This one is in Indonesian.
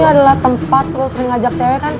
karena tempat lo sering ngajak cewek kan